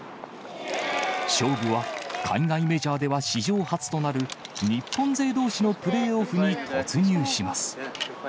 勝負は、海外メジャーでは史上初となる、日本勢どうしのプレーオフに突入します。